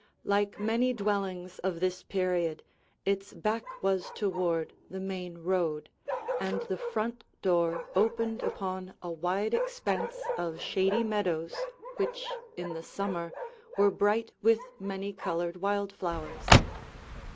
Like many dwellings of this period, its back was toward the main road, and the front door opened upon a wide expanse of shady meadows which in the summer were bright with many colored wild flowers.